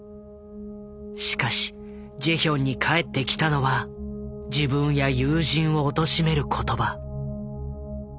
しかしジェヒョンに返ってきたのは自分や友人をおとしめる言葉。